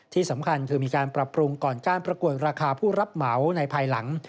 ที่สำคัญคือมีการปรับปรุงก่อนการประกวดราคาผู้รับเหมาในภายหลัง